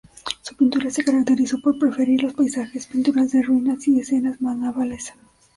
Su pintura se caracterizó por preferir los paisajes, pinturas de ruinas y escenas navales.